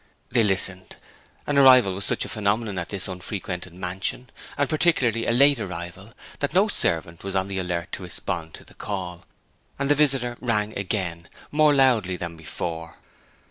They listened. An arrival was such a phenomenon at this unfrequented mansion, and particularly a late arrival, that no servant was on the alert to respond to the call; and the visitor rang again, more loudly than before.